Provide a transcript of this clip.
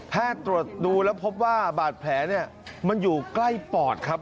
ตรวจดูแล้วพบว่าบาดแผลเนี่ยมันอยู่ใกล้ปอดครับ